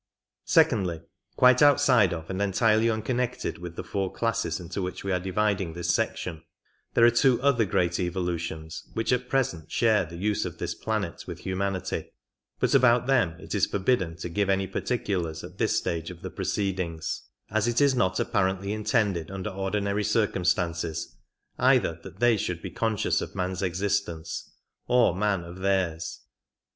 Secondly, quite outside of and entirely unconnected with the four classes into which we are dividing this section, there are two other great evolutions which at present share the use of this planet with humanity ; but about them it is forbidden to give any particulars at this stage of the proceedings, as it is not apparently intended under ordinary circumstances either that they should be conscious of man's existence or man of theirs.